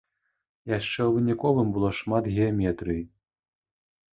Яшчэ ў выніковым было шмат геаметрыі.